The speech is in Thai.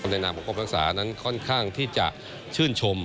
ในนามของกรมรักษานั้นค่อนข้างที่จะชื่นชม